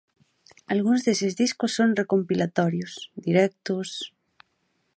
Algúns deses discos son recompilatorios, directos...